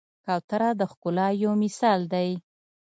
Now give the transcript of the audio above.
کوتره د ښکلا یو مثال دی.